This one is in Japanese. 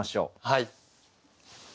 はい。